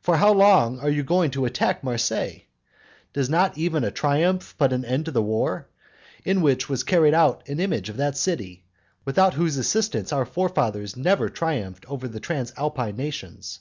For how long are you going to attack Marseilles? Does not even a triumph put an end to the war? in which was carried an image of that city, without whose assistance our forefathers never triumphed over the Transalpine nations.